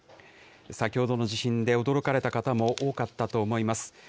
先ほどの地震で驚かれた方も多かったと思います。